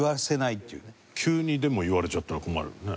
急にでも言われちゃったら困るよね。